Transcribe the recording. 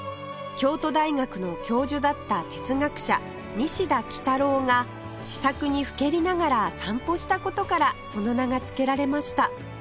京都大学の教授だった哲学者西田幾多郎が思索にふけりながら散歩した事からその名が付けられました